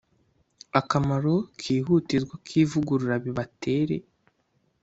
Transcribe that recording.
akamaro kihutirwa kivugurura bibatere